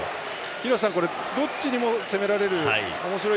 廣瀬さん、どっちにも攻められるおもしろい。